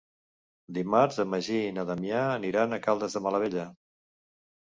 Dimarts en Magí i na Damià aniran a Caldes de Malavella.